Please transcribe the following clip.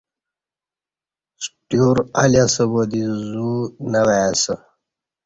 ݜٹیور الی اسہ با دی زو نہ وای اسہ